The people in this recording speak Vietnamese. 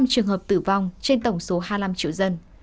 sáu mươi năm trường hợp tử vong trên tổng số hai mươi năm triệu dân